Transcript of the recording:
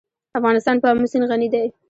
افغانستان په آمو سیند غني دی.